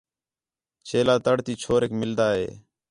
چیلا تڑ تی چھوریک مِلدا ہِے